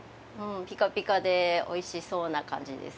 ぴかぴかでおいしそうな感じです。